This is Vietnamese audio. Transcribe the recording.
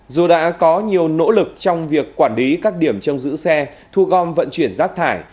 dù đã có nhiều nỗ lực trong việc quản lý các điểm trong giữ xe thu gom vận chuyển rác thải